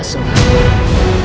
kasih lapar nih